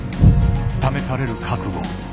試される覚悟。